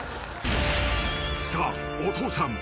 ［さあお父さん。